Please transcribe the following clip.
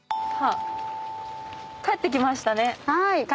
帰ってきましたね。